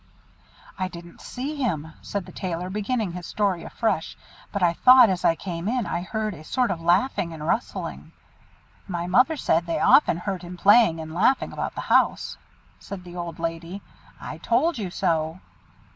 "I didn't see him," said the Tailor, beginning his story afresh; "but I thought as I came in I heard a sort of laughing and rustling." "My mother said they often heard him playing and laughing about the house," said the old lady. "I told you so."